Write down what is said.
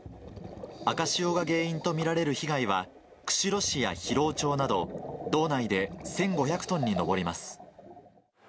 赤潮が原因と見られる被害は、釧路市や広尾町など、道内で１５００トンに上ります。